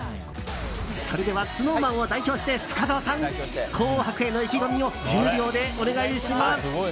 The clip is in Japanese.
それでは、ＳｎｏｗＭａｎを代表して深澤さん「紅白」への意気込みを１０秒でお願いします。